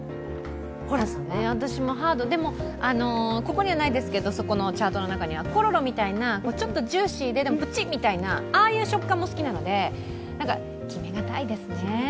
私もハード、でもこのチャートの中にはないけどコロロみたいなちょっとジューシーでプチッみたいなああいう食感も好きなので、決めがたいですね。